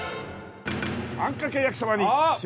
あんかけ焼きそばにしました。